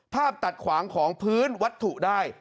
ตัดขวางของพื้นวัตถุได้